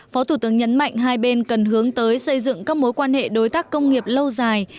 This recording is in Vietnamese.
phó thủ tướng nhấn mạnh hai bên cần hướng tới xây dựng các mối quan hệ đối tác công nghiệp lâu dài